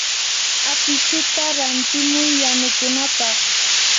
apichuta rantimuy yanukunapaq.